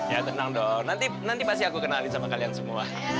ya tenang dong nanti pasti aku kenalin sama kalian semua